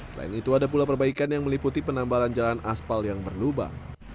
selain itu ada pula perbaikan yang meliputi penambalan jalan aspal yang berlubang